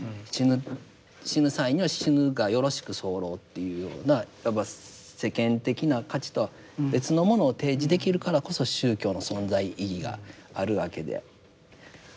死ぬ際には死ぬがよろしく候というようなやっぱり世間的な価値とは別のものを提示できるからこそ宗教の存在意義があるわけであるんですが。